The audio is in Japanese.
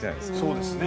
そうですね。